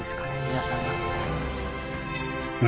皆さんが。